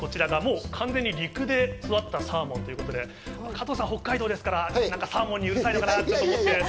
完全に陸で育ったサーモンということで、加藤さん北海道ですから、サーモンにうるさいのかな？